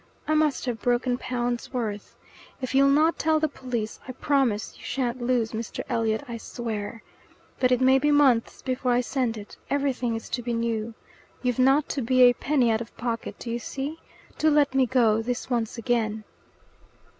I must have broken pounds' worth. If you'll not tell the police, I promise you shan't lose, Mr. Elliot, I swear. But it may be months before I send it. Everything is to be new. You've not to be a penny out of pocket, do you see? Do let me go, this once again."